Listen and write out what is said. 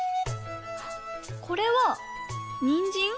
これはにんじん？